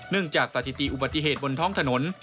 จากสถิติอุบัติเหตุบนท้องถนน